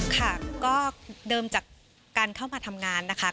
ค่ะก็เดิมจากการเข้ามาทำงานนะคะ